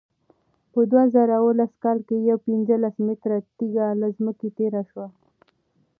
په دوه زره اوولس کال کې یوه پنځلس متره تېږه له ځمکې تېره شوه.